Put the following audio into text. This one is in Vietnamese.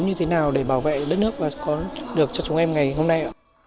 như thế nào để bảo vệ đất nước và có được cho chúng em ngày hôm nay ạ